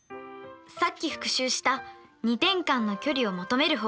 さっき復習した２点間の距離を求める方法ですね。